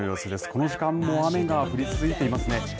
この時間雨が降り続いていますね。